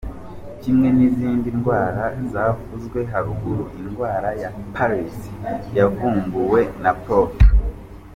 Kimwe n’izindi ndwara zavuzwe haruguru, indwara ya Paris yavumbuwe na Prof.